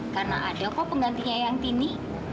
karena ada kok penggantinya ayah yang tini